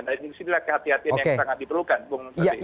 dan di sini adalah kehatian kehatian yang sangat diperlukan